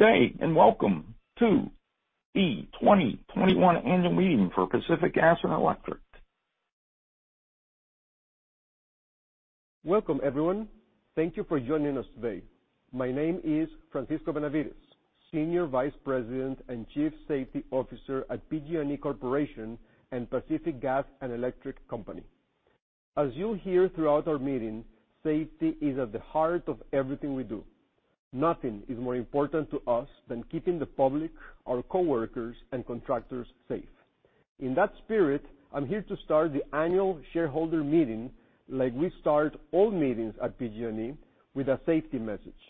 Good day, and welcome to the 2021 annual meeting for Pacific Gas and Electric. Welcome, everyone. Thank you for joining us today. My name is Francisco Benavides, Senior Vice President and Chief Safety Officer at PG&E Corporation and Pacific Gas and Electric Company. As you'll hear throughout our meeting, safety is at the heart of everything we do. Nothing is more important to us than keeping the public, our coworkers, and contractors safe. In that spirit, I'm here to start the annual shareholder meeting, like we start all meetings at PG&E, with a safety message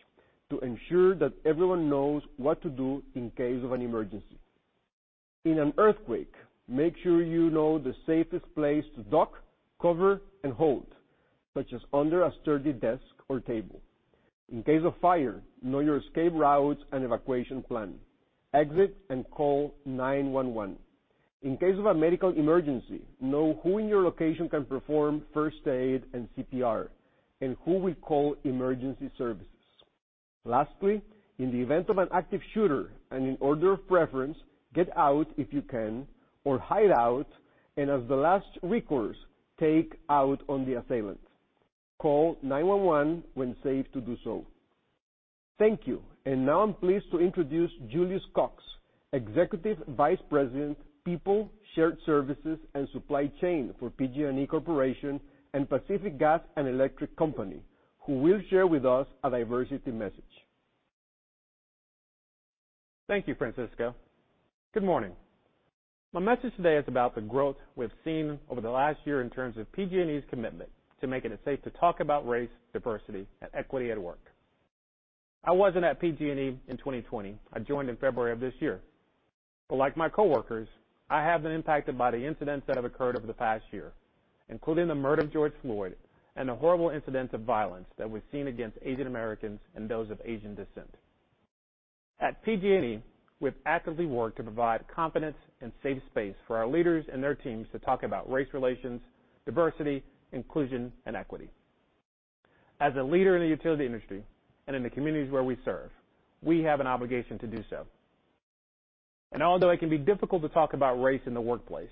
to ensure that everyone knows what to do in case of an emergency. In an earthquake, make sure you know the safest place to duck, cover, and hold, such as under a sturdy desk or table. In case of fire, know your escape routes and evacuation plan. Exit and call 911. In case of a medical emergency, know who in your location can perform first aid and CPR, and who will call emergency services. Lastly, in the event of an active shooter, and in order of preference, get out if you can, or hide out, and as the last recourse, take out on the assailant. Call 911 when safe to do so. Thank you. Now I'm pleased to introduce Julius Cox, Executive Vice President, People, Shared Services, and Supply Chain for PG&E Corporation and Pacific Gas and Electric Company, who will share with us a diversity message. Thank you, Francisco. Good morning. My message today is about the growth we've seen over the last year in terms of PG&E's commitment to making it safe to talk about race, diversity, and equity at work. I wasn't at PG&E in 2020. I joined in February of this year. Like my coworkers, I have been impacted by the incidents that have occurred over the past year, including the murder of George Floyd and the horrible incidents of violence that we've seen against Asian Americans and those of Asian descent. At PG&E, we've actively worked to provide confidence and safe space for our leaders and their teams to talk about race relations, diversity, inclusion, and equity. As a leader in the utility industry and in the communities where we serve, we have an obligation to do so. Although it can be difficult to talk about race in the workplace,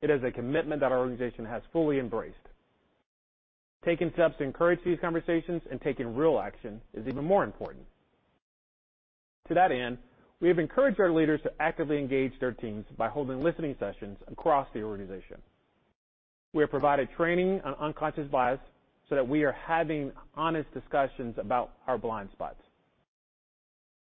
it is a commitment that our organization has fully embraced. Taking steps to encourage these conversations and taking real action is even more important. To that end, we have encouraged our leaders to actively engage their teams by holding listening sessions across the organization. We have provided training on unconscious bias so that we are having honest discussions about our blind spots.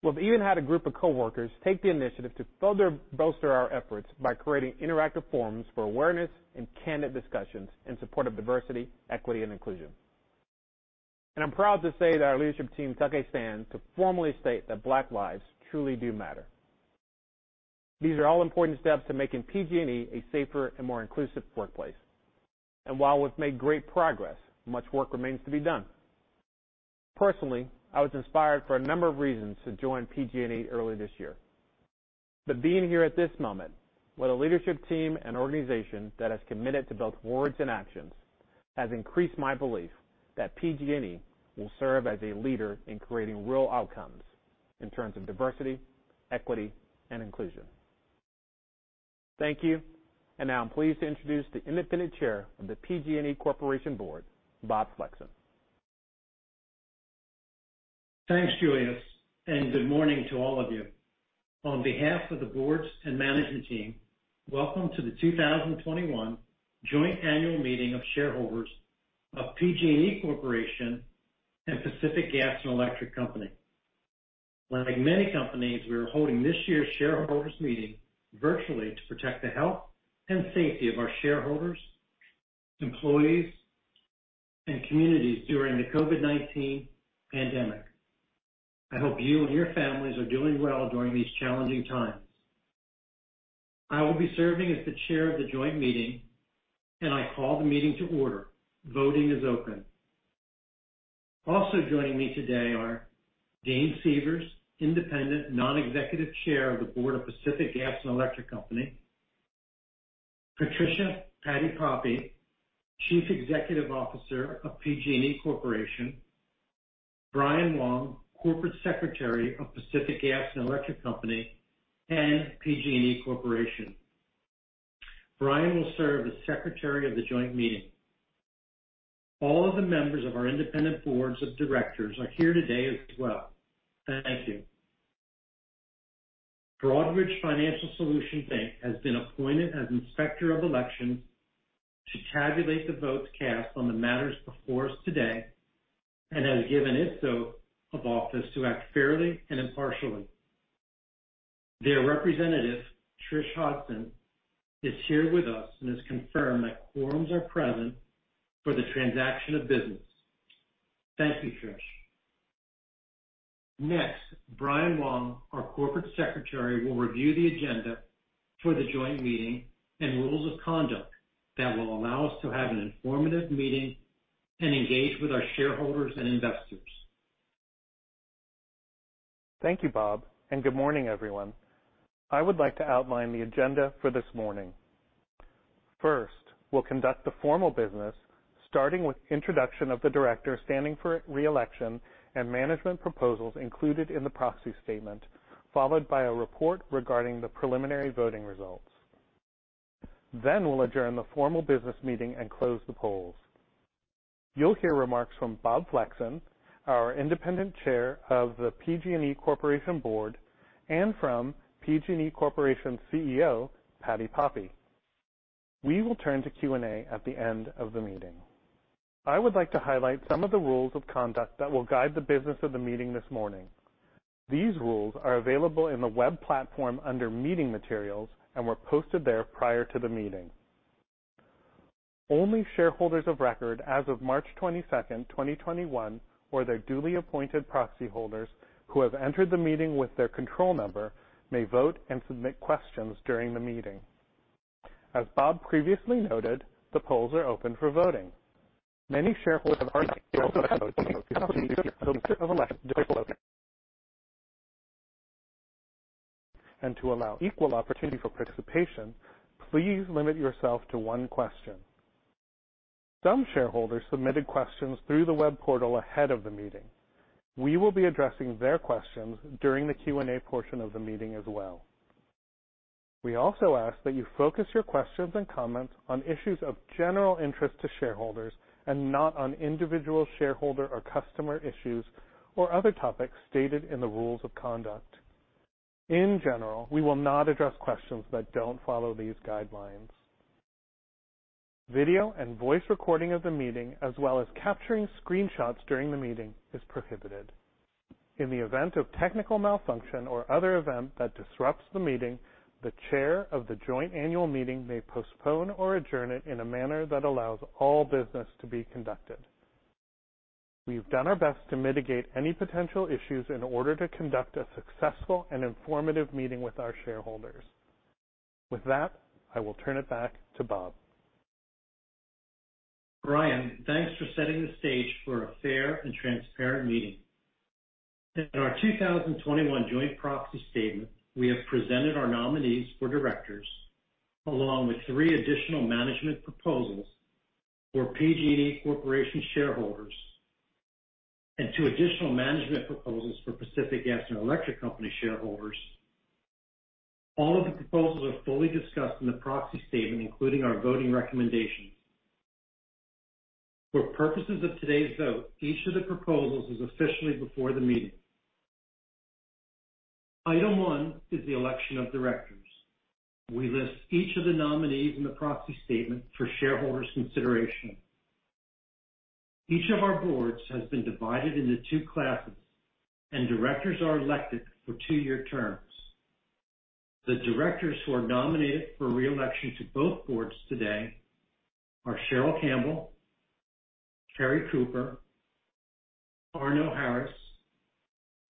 We've even had a group of coworkers take the initiative to further bolster our efforts by creating interactive forums for awareness and candid discussions in support of diversity, equity, and inclusion. I'm proud to say that our leadership team took a stand to formally state that Black Lives truly do Matter. These are all important steps to making PG&E a safer and more inclusive workplace. While we've made great progress, much work remains to be done. Personally, I was inspired for a number of reasons to join PG&E early this year. Being here at this moment with a leadership team and organization that has committed to both words and actions, has increased my belief that PG&E will serve as a leader in creating real outcomes in terms of diversity, equity, and inclusion. Thank you. Now I'm pleased to introduce the Independent Chair of the PG&E Corporation board, Bob Flexon. Thanks, Julius. Good morning to all of you. On behalf of the boards and management team, welcome to the 2021 joint annual meeting of shareholders of PG&E Corporation and Pacific Gas and Electric Company. Like many companies, we are holding this year's shareholders meeting virtually to protect the health and safety of our shareholders, employees, and communities during the COVID-19 pandemic. I hope you and your families are doing well during these challenging times. I will be serving as the chair of the joint meeting, and I call the meeting to order. Voting is open. Also joining me today are James Sievers, Independent Non-Executive Chair of the Board of Pacific Gas and Electric Company, Patti Poppe, Chief Executive Officer of PG&E Corporation, Brian Wong, Corporate Secretary of Pacific Gas and Electric Company and PG&E Corporation. Brian will serve as secretary of the joint meeting. All of the members of our independent boards of directors are here today as well. Thank you. Broadridge Financial Solutions, Inc. has been appointed as Inspector of Election to tabulate the votes cast on the matters before us today and has given its oath of office to act fairly and impartially. Their representative, Trish Hodgson, is here with us and has confirmed that quorums are present for the transaction of business. Thank you, Trish. Next, Brian Wong, our Corporate Secretary, will review the agenda for the joint meeting and rules of conduct that will allow us to have an informative meeting and engage with our shareholders and investors. Thank you, Bob, and good morning, everyone. I would like to outline the agenda for this morning. First, we'll conduct the formal business, starting with introduction of the directors standing for re-election and management proposals included in the proxy statement, followed by a report regarding the preliminary voting results. We'll adjourn the formal business meeting and close the polls. You'll hear remarks from Bob Flexon, our Independent Chair of the PG&E Corporation Board, and from PG&E Corporation CEO, Patti Poppe. We will turn to Q&A at the end of the meeting. I would like to highlight some of the rules of conduct that will guide the business of the meeting this morning. These rules are available in the web platform under Meeting Materials and were posted there prior to the meeting. Only shareholders of record as of March 22nd, 2021, or their duly appointed proxy holders who have entered the meeting with their control number may vote and submit questions during the meeting. As Bob previously noted, the polls are open for voting. Many shareholders have already cast votes through the company's secure voting system online just below this. To allow equal opportunity for participation, please limit yourself to one question. Some shareholders submitted questions through the web portal ahead of the meeting. We will be addressing their questions during the Q&A portion of the meeting as well. We also ask that you focus your questions and comments on issues of general interest to shareholders and not on individual shareholder or customer issues or other topics stated in the rules of conduct. In general, we will not address questions that don't follow these guidelines. Video and voice recording of the meeting, as well as capturing screenshots during the meeting, is prohibited. In the event of technical malfunction or other event that disrupts the meeting, the chair of the joint annual meeting may postpone or adjourn it in a manner that allows all business to be conducted. We've done our best to mitigate any potential issues in order to conduct a successful and informative meeting with our shareholders. With that, I will turn it back to Bob. Brian, thanks for setting the stage for a fair and transparent meeting. In our 2021 joint proxy statement, we have presented our nominees for directors, along with three additional management proposals for PG&E Corporation shareholders and two additional management proposals for Pacific Gas and Electric Company shareholders. All of the proposals are fully discussed in the proxy statement, including our voting recommendations. For purposes of today's vote, each of the proposals is officially before the meeting. Item one is the election of directors. We list each of the nominees in the proxy statement for shareholders' consideration. Each of our boards has been divided into two classes, and directors are elected for two-year terms. The directors who are nominated for re-election to both boards today are Cheryl Campbell, Kerry Cooper, Arno Harris,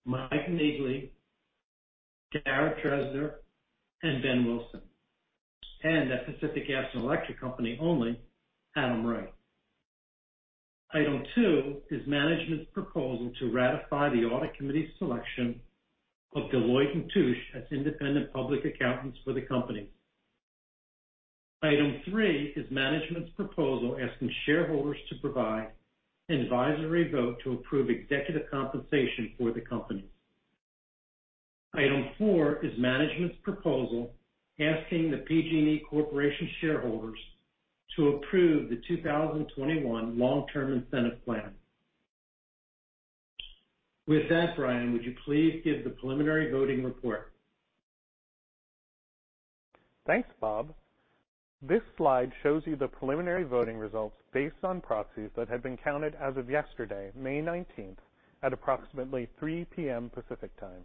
Mike Niggli, Dara Treseder, and Ben Wilson. At Pacific Gas and Electric Company only, Adam Wright. Item two is management's proposal to ratify the audit committee's selection of Deloitte & Touche as independent public accountants for the company. Item three is management's proposal asking shareholders to provide an advisory vote to approve executive compensation for the company. Item four is management's proposal asking the PG&E Corporation shareholders to approve the 2021 Long-Term Incentive Plan. With that, Brian, would you please give the preliminary voting report? Thanks, Bob. This slide shows you the preliminary voting results based on proxies that have been counted as of yesterday, May 19th, at approximately 3:00 P.M. Pacific Time.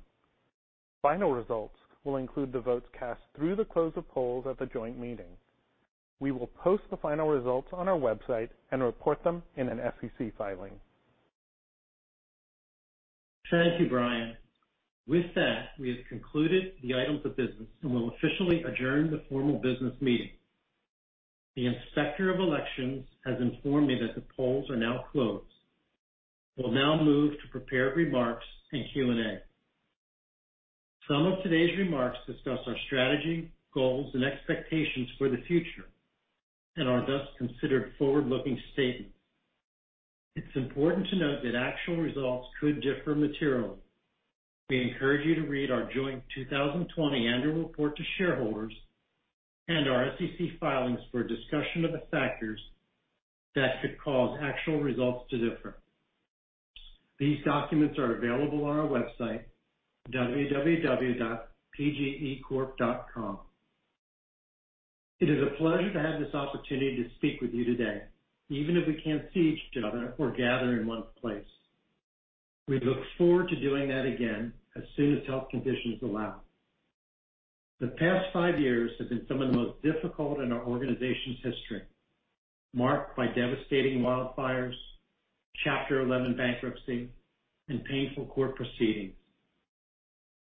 Final results will include the votes cast through the close of polls at the joint meeting. We will post the final results on our website and report them in an SEC filing. Thank you, Brian. With that, we have concluded the items of business and will officially adjourn the formal business meeting. The Inspector of Elections has informed me that the polls are now closed. We'll now move to prepared remarks and Q&A. Some of today's remarks discuss our strategy, goals, and expectations for the future and are thus considered forward-looking statements. It's important to note that actual results could differ materially. We encourage you to read our joint 2020 annual report to shareholders and our SEC filings for a discussion of the factors that could cause actual results to differ. These documents are available on our website, www.pgecorp.com. It is a pleasure to have this opportunity to speak with you today, even if we can't see each other or gather in one place. We look forward to doing that again as soon as health conditions allow. The past five years have been some of the most difficult in our organization's history, marked by devastating wildfires, Chapter 11 bankruptcy, and painful court proceedings.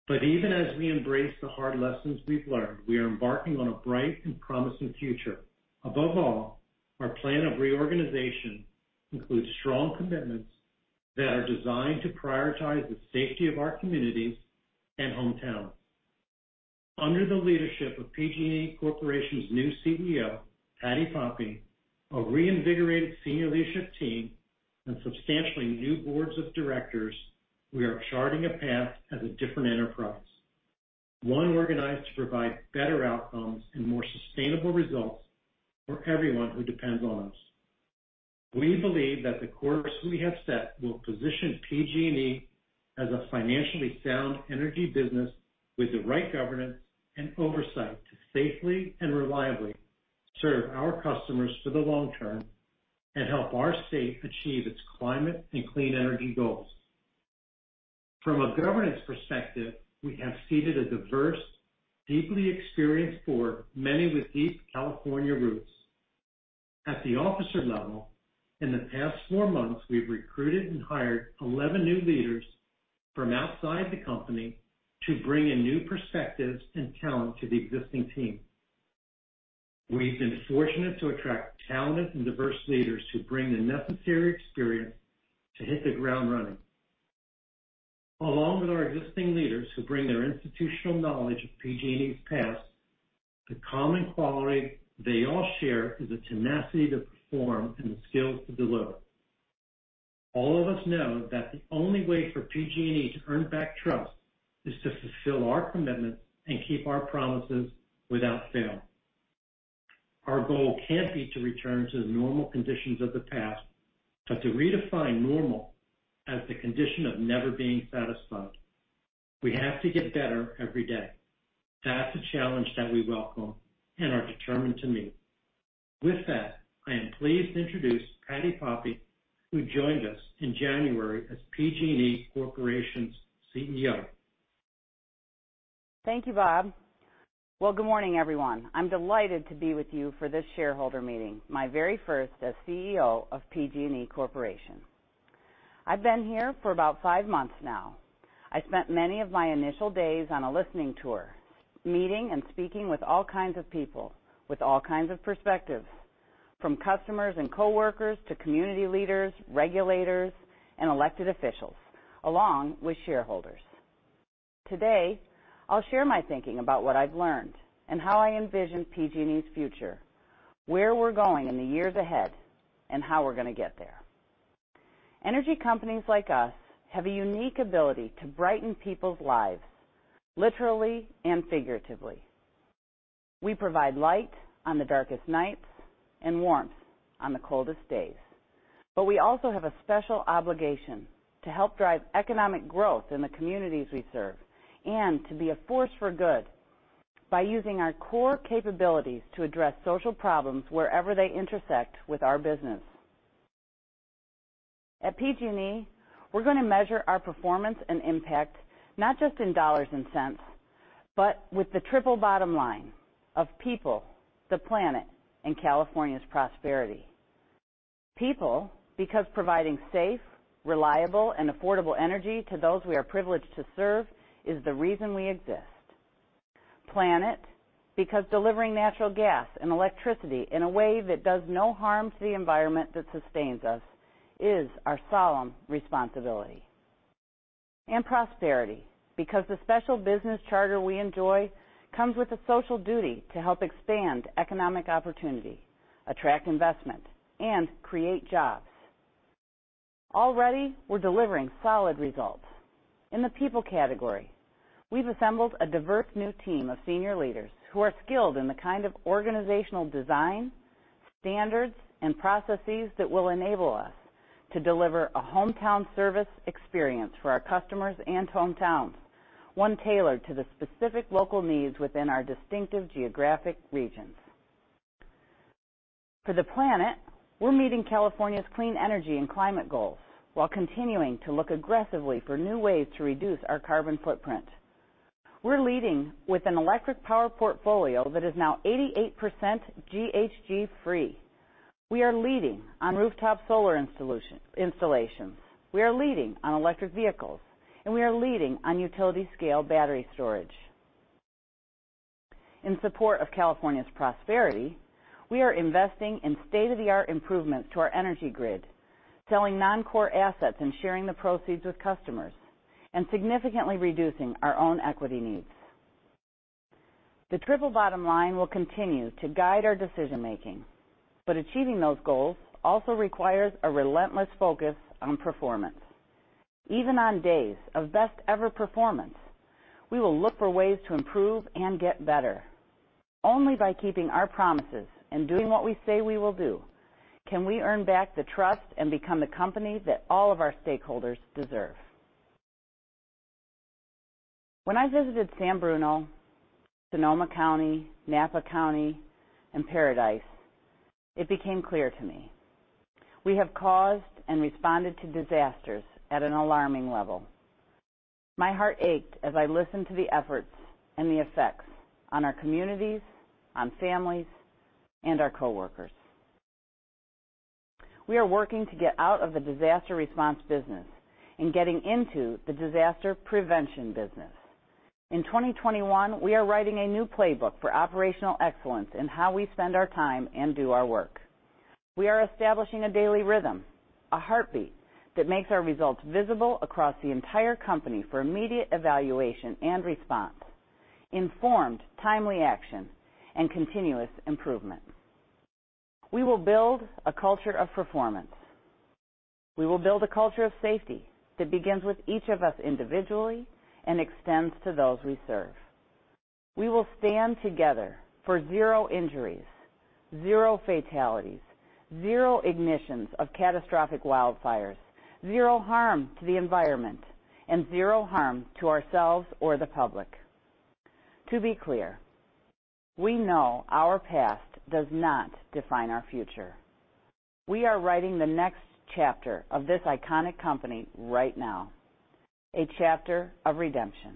Even as we embrace the hard lessons we've learned, we are embarking on a bright and promising future. Above all, our plan of reorganization includes strong commitments that are designed to prioritize the safety of our communities and hometowns. Under the leadership of PG&E Corporation's new CEO, Patti Poppe, a reinvigorated senior leadership team, and substantially new boards of directors, we are charting a path as a different enterprise, one organized to provide better outcomes and more sustainable results for everyone who depends on us. We believe that the course we have set will position PG&E as a financially sound energy business with the right governance and oversight to safely and reliably serve our customers for the long term and help our state achieve its climate and clean energy goals. From a governance perspective, we have seated a diverse, deeply experienced board, many with deep California roots. At the officer level, in the past four months, we've recruited and hired 11 new leaders from outside the company to bring in new perspectives and talent to the existing team. We've been fortunate to attract talented and diverse leaders who bring the necessary experience to hit the ground running. Along with our existing leaders who bring their institutional knowledge of PG&E's past, the common quality they all share is a tenacity to perform and the skill to deliver. All of us know that the only way for PG&E to earn back trust is to fulfill our commitments and keep our promises without fail. Our goal can't be to return to the normal conditions of the past, but to redefine normal as the condition of never being satisfied. We have to get better every day. That's a challenge that we welcome and are determined to meet. With that, I am pleased to introduce Patti Poppe, who joined us in January as PG&E Corporation's CEO. Thank you, Bob. Well, good morning, everyone. I'm delighted to be with you for this shareholder meeting, my very first as CEO of PG&E Corporation. I've been here for about five months now. I spent many of my initial days on a listening tour, meeting and speaking with all kinds of people with all kinds of perspectives, from customers and coworkers to community leaders, regulators, and elected officials, along with shareholders. Today, I'll share my thinking about what I've learned and how I envision PG&E's future, where we're going in the years ahead, and how we're going to get there. Energy companies like us have a unique ability to brighten people's lives, literally and figuratively. We provide light on the darkest nights and warmth on the coldest days, but we also have a special obligation to help drive economic growth in the communities we serve and to be a force for good by using our core capabilities to address social problems wherever they intersect with our business. At PG&E, we're going to measure our performance and impact not just in dollars and cents, but with the triple bottom line of people, the planet, and California's prosperity. People, because providing safe, reliable, and affordable energy to those we are privileged to serve is the reason we exist. Planet, because delivering natural gas and electricity in a way that does no harm to the environment that sustains us is our solemn responsibility. Prosperity, because the special business charter we enjoy comes with a social duty to help expand economic opportunity, attract investment, and create jobs. Already, we're delivering solid results. In the people category, we've assembled a diverse new team of senior leaders who are skilled in the kind of organizational design, standards, and processes that will enable us to deliver a hometown service experience for our customers and hometowns, one tailored to the specific local needs within our distinctive geographic regions. For the planet, we're meeting California's clean energy and climate goals while continuing to look aggressively for new ways to reduce our carbon footprint. We're leading with an electric power portfolio that is now 88% GHG-free. We are leading on rooftop solar installations, we are leading on electric vehicles, and we are leading on utility-scale battery storage. In support of California's prosperity, we are investing in state-of-the-art improvements to our energy grid, selling non-core assets and sharing the proceeds with customers, and significantly reducing our own equity needs. The triple bottom line will continue to guide our decision-making, but achieving those goals also requires a relentless focus on performance. Even on days of best-ever performance, we will look for ways to improve and get better. Only by keeping our promises and doing what we say we will do can we earn back the trust and become the company that all of our stakeholders deserve. When I visited San Bruno, Sonoma County, Napa County, and Paradise, it became clear to me we have caused and responded to disasters at an alarming level. My heart ached as I listened to the efforts and the effects on our communities, on families, and our coworkers. We are working to get out of the disaster response business and getting into the disaster prevention business. In 2021, we are writing a new playbook for operational excellence in how we spend our time and do our work. We are establishing a daily rhythm, a heartbeat that makes our results visible across the entire company for immediate evaluation and response, informed, timely action, and continuous improvement. We will build a culture of performance. We will build a culture of safety that begins with each of us individually and extends to those we serve. We will stand together for zero injuries, zero fatalities, zero ignitions of catastrophic wildfires, zero harm to the environment, and zero harm to ourselves or the public. To be clear, we know our past does not define our future. We are writing the next chapter of this iconic company right now, a chapter of redemption.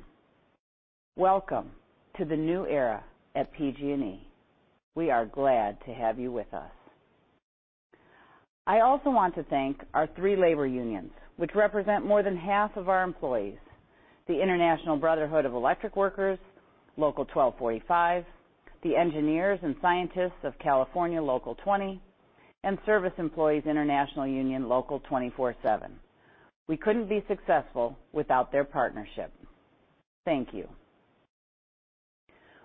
Welcome to the new era at PG&E. We are glad to have you with us. I also want to thank our three labor unions, which represent more than half of our employees, the International Brotherhood of Electrical Workers, Local 1245, the Engineers and Scientists of California Local 20, and Service Employees International Union, Local 247. We couldn't be successful without their partnership. Thank you.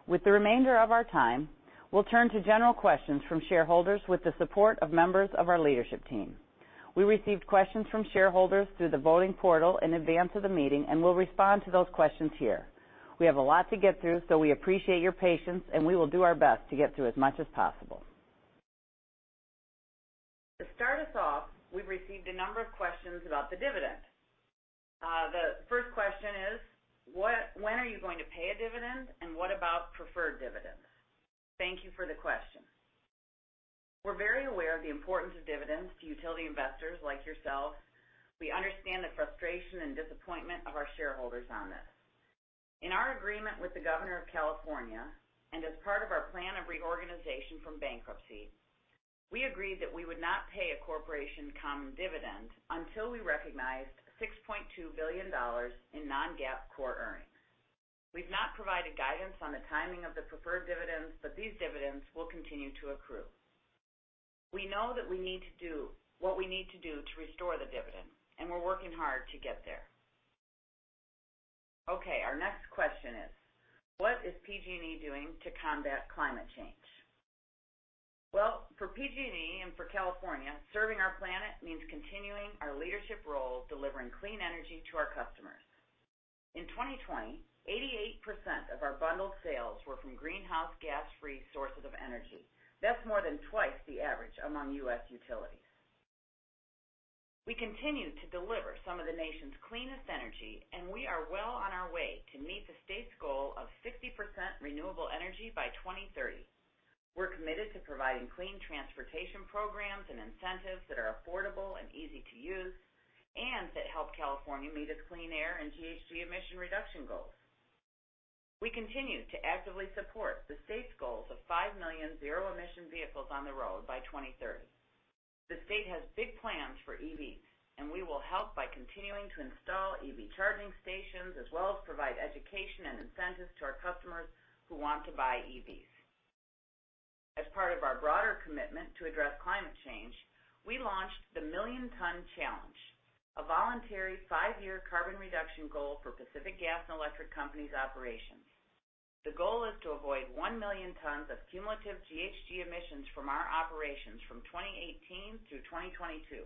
With the remainder of our time, we'll turn to general questions from shareholders with the support of members of our leadership team. We received questions from shareholders through the voting portal in advance of the meeting, and we'll respond to those questions here. We have a lot to get through, so we appreciate your patience. We will do our best to get through as much as possible. To start us off, we've received a number of questions about the dividend. The first question is, when are you going to pay a dividend, and what about preferred dividends? Thank you for the question. We're very aware of the importance of dividends to utility investors like yourselves. We understand the frustration and disappointment of our shareholders on this. In our agreement with the governor of California, and as part of our plan of reorganization from bankruptcy, we agreed that we would not pay a corporation common dividend until we recognized $6.2 billion in non-GAAP core earnings. We've not provided guidance on the timing of the preferred dividends, but these dividends will continue to accrue. We know that we need to do what we need to do to restore the dividend, and we're working hard to get there. Okay, our next question is, what is PG&E doing to combat climate change? Well, for PG&E and for California, serving our planet means continuing our leadership role delivering clean energy to our customers. In 2020, 88% of our bundled sales were from greenhouse gas-free sources of energy. That's more than twice the average among U.S. utilities. We continue to deliver some of the nation's cleanest energy, and we are well on our way to meet the state's goal of 60% renewable energy by 2030. We're committed to providing clean transportation programs and incentives that are affordable and easy to use, and that help California meet its clean air and GHG emission reduction goals. We continue to actively support the state's goals of 5 million zero-emission vehicles on the road by 2030. The state has big plans for EVs, and we will help by continuing to install EV charging stations, as well as provide education and incentives to our customers who want to buy EVs. As part of our broader commitment to address climate change, we launched the Million Ton Challenge, a voluntary five-year carbon reduction goal for Pacific Gas and Electric Company's operations. The goal is to avoid 1 million tons of cumulative GHG emissions from our operations from 2018 through 2022.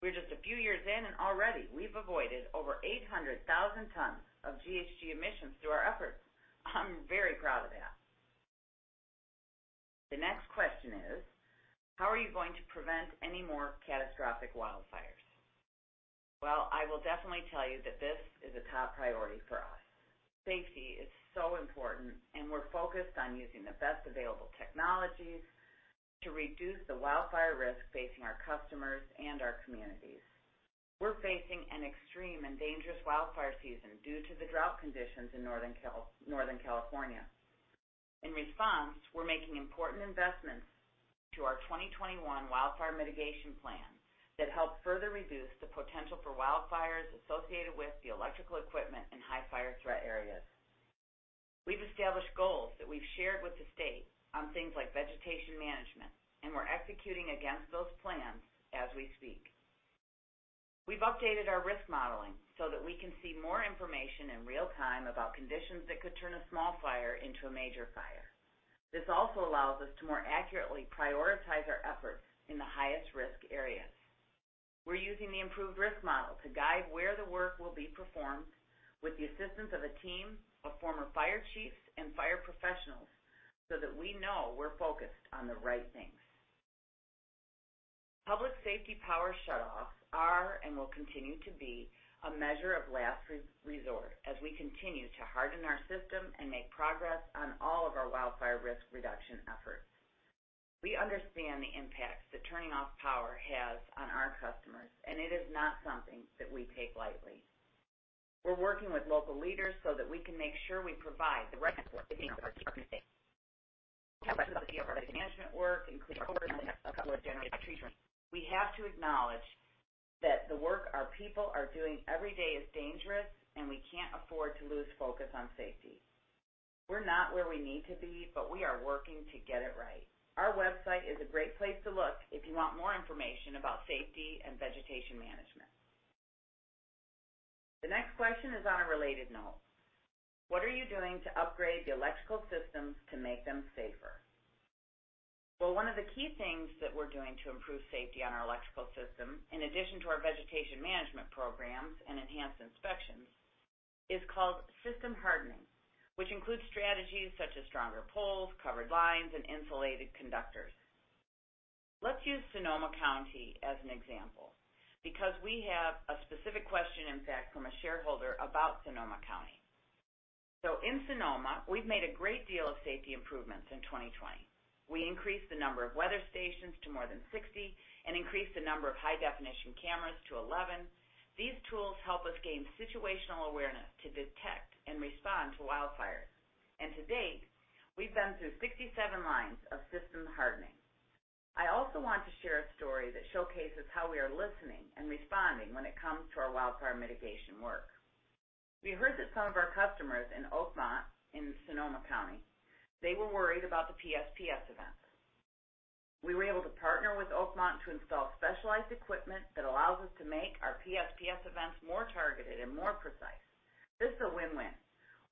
We're just a few years in, and already we've avoided over 800,000 tons of GHG emissions through our efforts. I'm very proud of that. The next question is, how are you going to prevent any more catastrophic wildfires? Well, I will definitely tell you that this is a top priority for us. Safety is so important, and we're focused on using the best available technologies to reduce the wildfire risk facing our customers and our communities. We're facing an extreme and dangerous wildfire season due to the drought conditions in Northern California. In response, we're making important investments to our 2021 Wildfire Mitigation Plan that help further reduce the potential for wildfires associated with the electrical equipment in high fire threat areas. We've established goals that we've shared with the state on things like vegetation management, and we're executing against those plans as we speak. We've updated our risk modeling so that we can see more information in real time about conditions that could turn a small fire into a major fire. This also allows us to more accurately prioritize our efforts in the highest-risk areas. We're using the improved risk model to guide where the work will be performed with the assistance of a team of former fire chiefs and fire professionals so that we know we're focused on the right things. Public Safety Power Shutoffs are and will continue to be a measure of last resort as we continue to harden our system and make progress on all of our wildfire risk reduction efforts. We understand the impacts that turning off power has on our customers, and it is not something that we take lightly. We're working with local leaders so that we can make sure we provide the right support to meet the needs of our community. Talk about the efforts of management work in supporting this work around vegetation management. We have to acknowledge that the work our people are doing every day is dangerous, and we can't afford to lose focus on safety. We're not where we need to be, but we are working to get it right. Our website is a great place to look if you want more information about safety and vegetation management. The next question is on a related note. What are you doing to upgrade the electrical systems to make them safer? Well, one of the key things that we're doing to improve safety on our electrical system, in addition to our vegetation management programs and enhanced inspections, is called system hardening, which includes strategies such as stronger poles, covered lines, and insulated conductors. Let's use Sonoma County as an example because we have a specific question, in fact, from a shareholder about Sonoma County. In Sonoma, we've made a great deal of safety improvements in 2020. We increased the number of weather stations to more than 60 and increased the number of high-definition cameras to 11. These tools help us gain situational awareness to detect and respond to wildfires. To date, we've been through 67 lines of system hardening. I also want to share a story that showcases how we are listening and responding when it comes to our wildfire mitigation work. We heard that some of our customers in Oakmont, in Sonoma County, were worried about the PSPS events. We were able to partner with Oakmont to install specialized equipment that allows us to make our PSPS events more targeted and more precise. This is a win-win.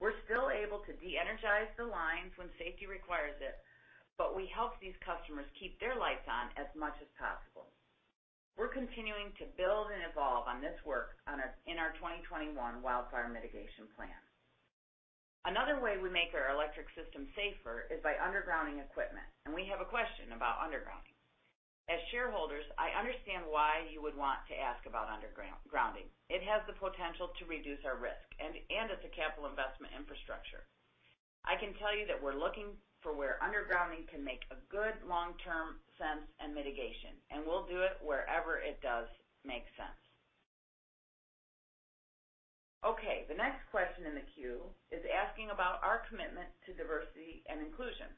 We're still able to de-energize the lines when safety requires it, but we help these customers keep their lights on as much as possible. We're continuing to build and evolve on this work in our 2021 Wildfire Mitigation Plan. Another way we make our electric system safer is by undergrounding equipment, and we have a question about undergrounding. As shareholders, I understand why you would want to ask about undergrounding. It has the potential to reduce our risk, and it's a capital investment infrastructure. I can tell you that we're looking for where undergrounding can make a good long-term sense and mitigation, and we'll do it wherever it does make sense. Okay, the next question in the queue is asking about our commitment to diversity and inclusion.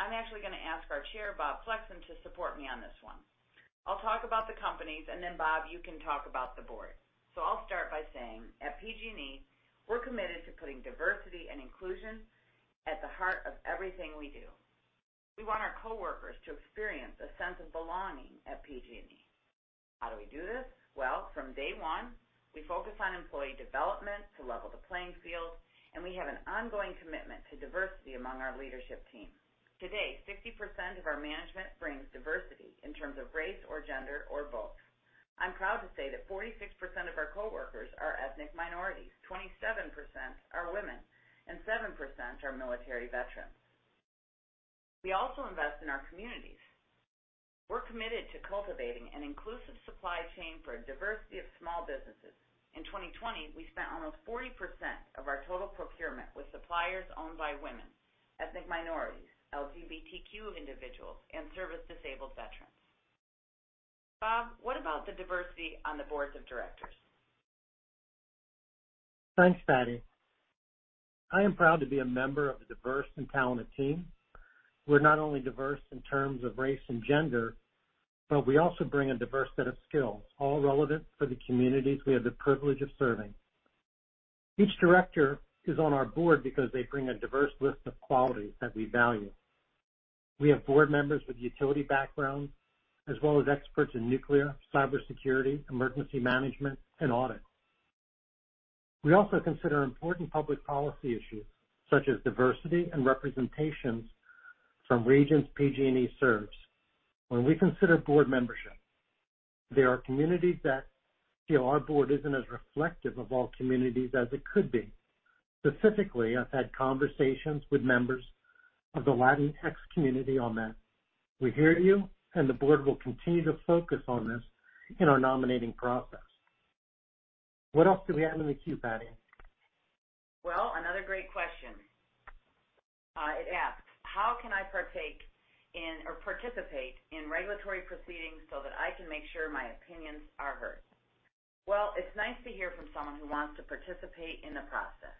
I'm actually going to ask our chair, Bob, to support me on this one. I'll talk about the companies, and then Bob, you can talk about the board. I'll start by saying at PG&E, we're committed to putting diversity and inclusion at the heart of everything we do. We want our coworkers to experience a sense of belonging at PG&E. How do we do this? From day one, we focus on employee development to level the playing field, and we have an ongoing commitment to diversity among our leadership team. Today, 50% of our management brings diversity in terms of race or gender or both. I'm proud to say that 46% of our coworkers are ethnic minorities, 27% are women, and 7% are military veterans. We also invest in our communities. We're committed to cultivating an inclusive supply chain for a diversity of small businesses. In 2020, we spent almost 40% of our total procurement with suppliers owned by women, ethnic minorities, LGBTQ individuals, and service-disabled veterans. Bob, what about the diversity on the boards of directors? Thanks, Patti. I am proud to be a member of a diverse and talented team. We're not only diverse in terms of race and gender, but we also bring a diverse set of skills, all relevant for the communities we have the privilege of serving. Each director is on our board because they bring a diverse list of qualities that we value. We have board members with utility backgrounds as well as experts in nuclear, cybersecurity, emergency management, and audit. We also consider important public policy issues, such as diversity and representation from regions PG&E serves when we consider board membership. There are communities that feel our board isn't as reflective of all communities as it could be. Specifically, I've had conversations with members of the Latinx community on this. We hear you. The board will continue to focus on this in our nominating process. What else do we have in the queue, Patti? Another great question. It asks, how can I partake in or participate in regulatory proceedings so that I can make sure my opinions are heard? It's nice to hear from someone who wants to participate in the process.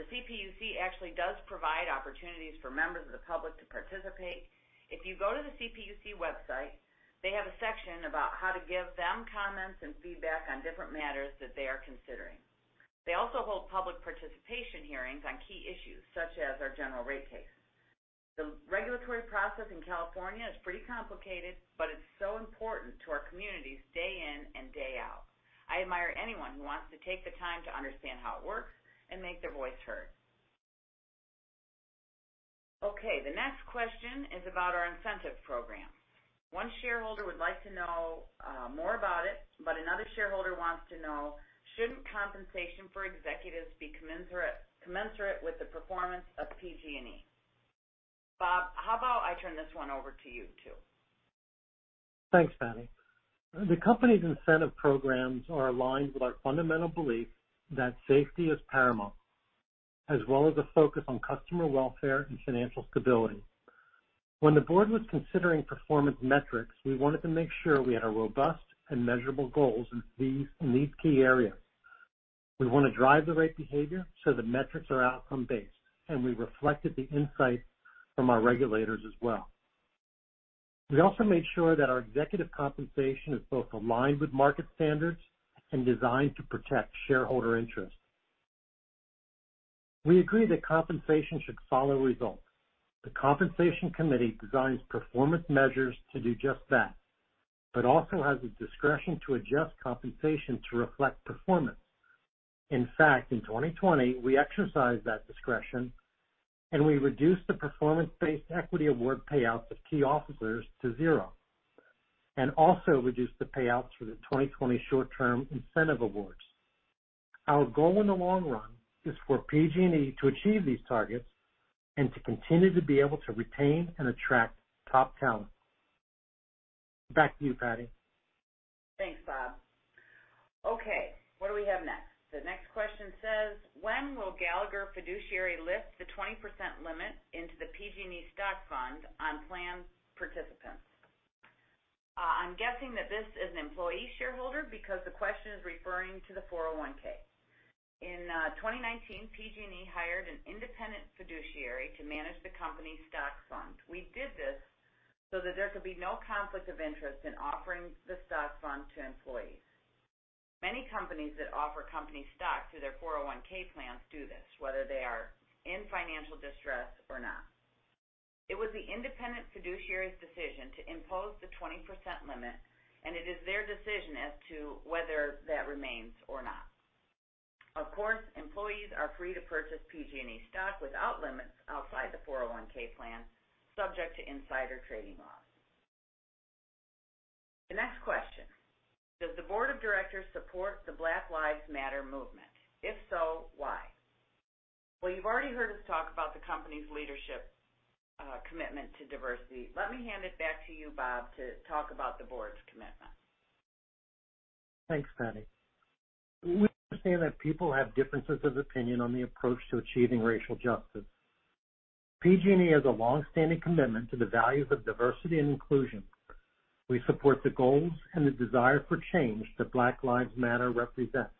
The CPUC actually does provide opportunities for members of the public to participate. If you go to the CPUC website, they have a section about how to give them comments and feedback on different matters that they are considering. They also hold public participation hearings on key issues such as our General Rate Case. The regulatory process in California is pretty complicated, but it's so important to our communities day in and day out. I admire anyone who wants to take the time to understand how it works and make their voice heard. The next question is about our incentive programs. One shareholder would like to know more about it. Another shareholder wants to know, shouldn't compensation for executives be commensurate with the performance of PG&E? Bob, how about I turn this one over to you, too? Thanks, Patti. The company's incentive programs are aligned with our fundamental belief that safety is paramount, as well as a focus on customer welfare and financial stability. When the board was considering performance metrics, we wanted to make sure we had robust and measurable goals in these key areas. We want to drive the right behavior so that metrics are outcome-based. We reflected the insights from our regulators as well. We also made sure that our executive compensation is both aligned with market standards and designed to protect shareholder interests. We agree that compensation should follow results. The compensation committee designs performance measures to do just that, but also has the discretion to adjust compensation to reflect performance. In fact, in 2020, we exercised that discretion. We reduced the performance-based equity award payouts of key officers to zero, and also reduced the payouts for the 2020 short-term incentive awards. Our goal in the long run is for PG&E to achieve these targets and to continue to be able to retain and attract top talent. Back to you, Patti. Thanks, Bob. Okay, what do we have next? The next question says, "When will Gallagher Fiduciary lift the 20% limit into the PG&E stock fund on plan participants?" I'm guessing that this is an employee shareholder because the question is referring to the 401(k). In 2019, PG&E hired an independent fiduciary to manage the company stock fund. We did this so that there could be no conflict of interest in offering the stock fund to employees. Many companies that offer company stock to their 401(k) plans do this, whether they are in financial distress or not. It was the independent fiduciary's decision to impose the 20% limit, and it is their decision as to whether that remains or not. Of course, employees are free to purchase PG&E stock without limits outside the 401(k) plan, subject to insider trading laws. The next question: "Does the board of directors support the Black Lives Matter movement? If so, why?" Well, you've already heard us talk about the company's leadership commitment to diversity. Let me hand it back to you, Bob, to talk about the board's commitment. Thanks, Patti. We understand that people have differences of opinion on the approach to achieving racial justice. PG&E has a long-standing commitment to the values of diversity and inclusion. We support the goals and the desire for change that Black Lives Matter represents.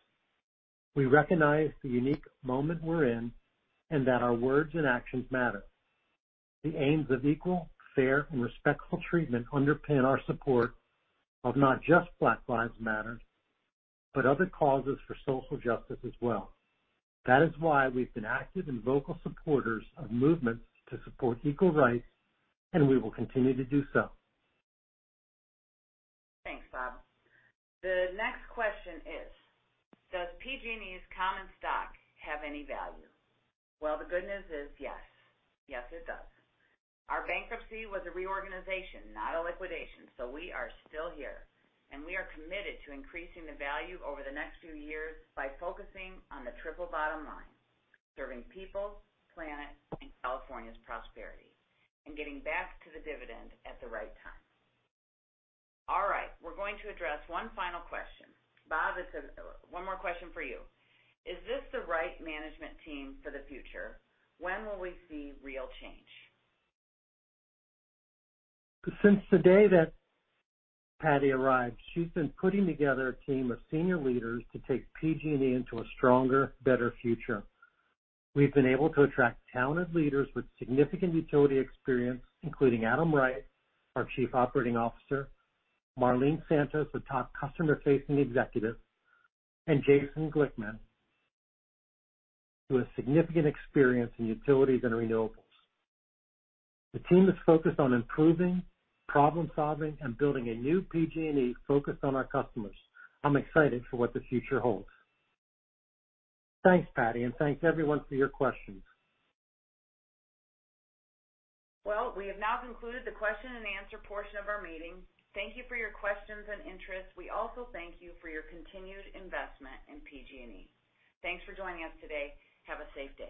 We recognize the unique moment we're in and that our words and actions matter. The aims of equal, fair, and respectful treatment underpin our support of not just Black Lives Matter, but other causes for social justice as well. That is why we've been active and vocal supporters of movements to support equal rights, and we will continue to do so. Thanks, Bob. The next question is, "Does PG&E's common stock have any value?" The good news is yes. Yes, it does. Our bankruptcy was a reorganization, not a liquidation, so we are still here, and we are committed to increasing the value over the next few years by focusing on the triple bottom line: serving people, planet, and California's prosperity, and getting back to the dividend at the right time. We're going to address one final question. Bob, this is one more question for you. "Is this the right management team for the future? When will we see real change? Since the day that Patti arrived, she's been putting together a team of senior leaders to take PG&E into a stronger, better future. We've been able to attract talented leaders with significant utility experience, including Adam Wright, our Chief Operating Officer, Marlene Santos, a top customer-facing executive, and Jason Glickman, who has significant experience in utilities and renewables. The team is focused on improving, problem-solving, and building a new PG&E focused on our customers. I'm excited for what the future holds. Thanks, Patti, and thanks, everyone, for your questions. Well, we have now concluded the question-and-answer portion of our meeting. Thank you for your questions and interest. We also thank you for your continued investment in PG&E. Thanks for joining us today. Have a safe day.